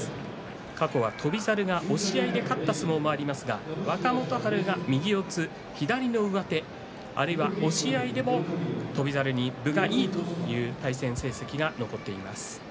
過去は翔猿が押し合いで勝った相撲もありますが若隆景が左の上手あるいは押し合いで翔猿に分がいいという対戦成績が残っています。